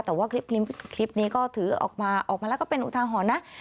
แต่ว่าคลิปนี้ก็ถือออกมาออกมาแล้วก็เป็นอุทาหรณ์นะ